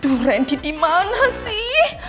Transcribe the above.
aduh ren die dimana sih